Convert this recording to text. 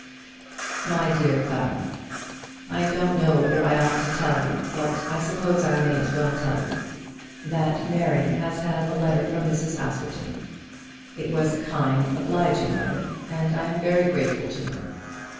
MY DEAR CLARA, I don't know whether I ought to tell you but I suppose I may as well tell you, that Mary has had a letter from Mrs. Askerton. It was a kind, obliging letter, and I am very grateful to her.